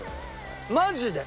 マジで。